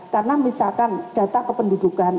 karena misalkan data kependudukan